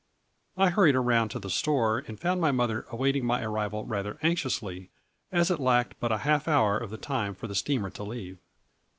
I hurried around to the store and found my mother awaiting my arrival rather anxiously, as it lacked but a half hour of the time for the steamer to leave.